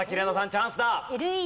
チャンスだ。